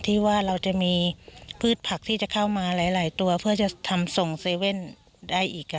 ที่ว่าเราจะมีพืชผักที่จะเข้ามาหลายตัวเพื่อจะทำส่งเซเว่นได้อีก